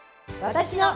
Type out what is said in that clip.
私の！